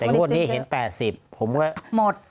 แต่วันนี้เห็น๘๐บาทผมก็